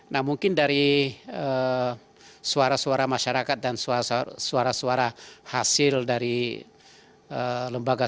nah mungkin dari suara suara masyarakat dan suara suara hasil dari lembaga